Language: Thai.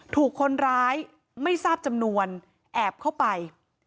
ถูกคนร้ายไม่ทราบจำนวนแอบเข้าไป